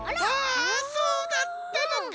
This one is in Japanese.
あそうだったのか。